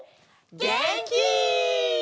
げんき！